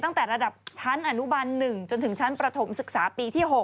ตั้งแต่ระดับชั้นอนุบัน๑จนถึงชั้นประถมศึกษาปีที่๖